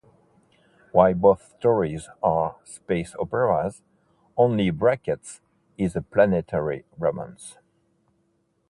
While both stories are space operas, only Brackett's is a planetary romance.